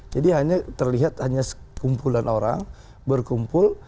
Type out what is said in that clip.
jadi hanya terlihat sekumpulan orang berkumpul